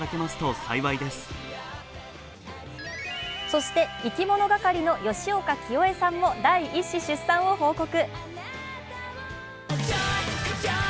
そして、いきものがかりの吉岡聖恵さんも第１子出産を報告。